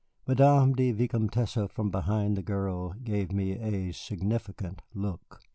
Madame la Vicomtesse, from behind the girl, gave me a significant look.